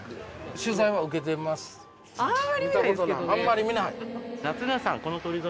あんまり見ない？